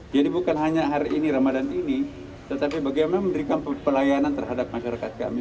jadi bukan hanya hari ini ramadan ini tetapi bagaimana memberikan pelayanan terhadap masyarakat kami